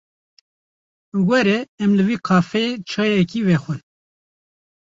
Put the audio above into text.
Were em li vê kafeyê çayekê vexwin.